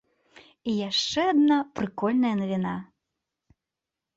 І яшчэ адна прыкольная навіна.